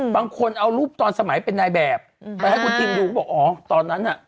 บางคนเอารูปตอนสมัยเป็นนายแบบไปให้คุณทีมดูก็บอกอ๋อตอนนั้นน่ะ